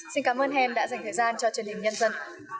xin cảm ơn hen đã dành thời gian cho truyền hình nhân dân